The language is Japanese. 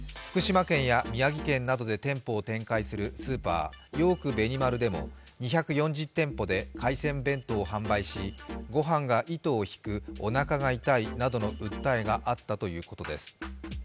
福島県や宮城県などで店舗を展開するスーパー、ヨークベニマルでも２４０店舗で海鮮弁当を販売しご飯が糸を引く、おなかが痛いなどの訴えがあったということです。